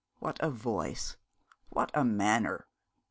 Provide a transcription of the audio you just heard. What a voice! What a manner!